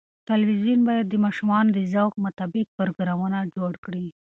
تلویزیون باید د ماشومانو د ذوق مطابق پروګرامونه جوړ کړي.